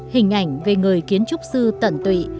hình ảnh về người kiến trúc sư tận tụy